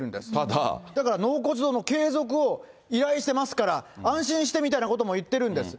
だから納骨堂の継続を依頼してますから、安心してみたいなことも言ってるんです。